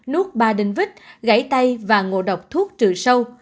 nuốt ba đinh vít gãy tay và ngộ độc thuốc trừ sâu